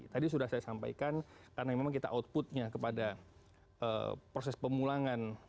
tadi sudah saya sampaikan karena memang kita outputnya kepada proses pemulangan